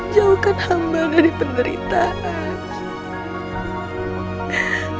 jauhkan hamba dari penderitaan